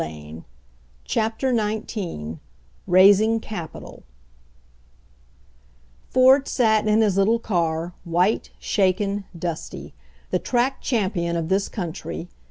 I won it" CHAPTER XIX RAISING CAPITAL Ford sat in his little car, white, shaken, dusty— the track champion of this country.